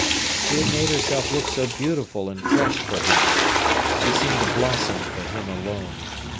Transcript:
She had made herself look so beautiful and fresh for him. She seemed to blossom for him alone.